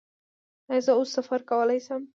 ایا زه اوس سفر کولی شم؟